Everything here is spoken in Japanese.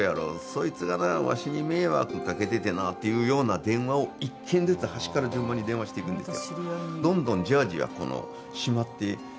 そいつがなわしに迷惑かけててな」っていうような電話を１件ずつ端から順番に電話していくんですよ。